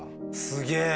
すげえ！